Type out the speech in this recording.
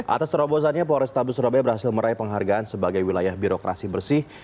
atas terobosannya polrestabes surabaya berhasil meraih penghargaan sebagai wilayah birokrasi bersih